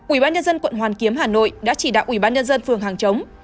ubnd quận hoàn kiếm hà nội đã chỉ đạo ubnd phường hàng chống